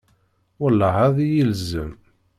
Welleh, ad iyi-ilzem!